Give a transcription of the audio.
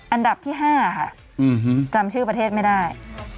อันดับที่๕ค่ะจำชื่อประเทศไม่ได้